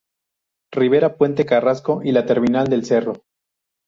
Rivera, Puente Carrasco y la Terminal del Cerro.